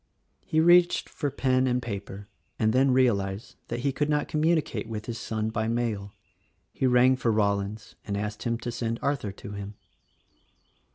He reached for pen and paper and then realized that he could not communicate with his son by mail. He rang for Rollins and asked him to send Arthur to him.